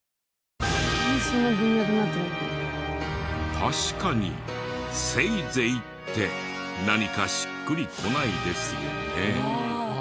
確かに「せいぜい」って何かしっくりこないですよね。